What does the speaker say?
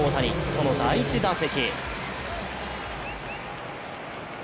その第１打席。